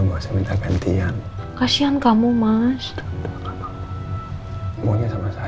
mau minta gantian kasihan kamu mas